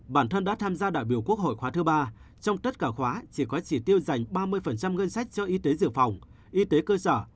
bản thân đã tham gia đại biểu quốc hội khóa thứ ba trong tất cả khóa chỉ có chỉ tiêu dành ba mươi ngân sách cho y tế dự phòng y tế cơ sở